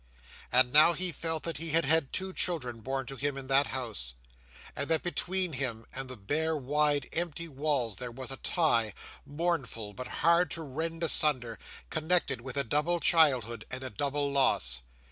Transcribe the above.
And now he felt that he had had two children born to him in that house, and that between him and the bare wide empty walls there was a tie, mournful, but hard to rend asunder, connected with a double childhood, and a double loss.